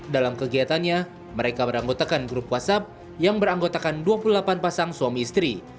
dalam kegiatannya mereka beranggotakan grup whatsapp yang beranggotakan dua puluh delapan pasang suami istri